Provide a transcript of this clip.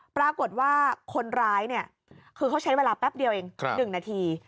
ปรากฏว่าคนร้ายเนี่ยคือเขาใช้เวลาแป๊บเดียวเอง๑นาที